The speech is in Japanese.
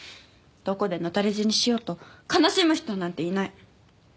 どこで野垂れ死にしようと悲しむ人なんていない。